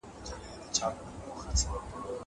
زه به اوږده موده د کتابتون کتابونه ولولم.